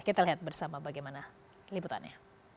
kita lihat bersama bagaimana liputannya